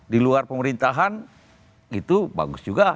di luar pemerintahan itu bagus juga